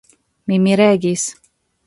Mi miregis.